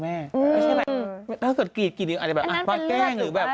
ไม่ใช่แบบถ้าเกลียดอาจจะมาแก้ง